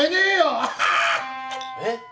えっ！？